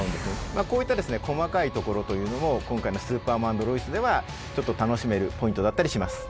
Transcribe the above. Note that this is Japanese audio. まあこういった細かいところというのも今回の「スーパーマン＆ロイス」ではちょっと楽しめるポイントだったりします。